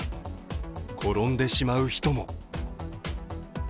転んでしまう人も。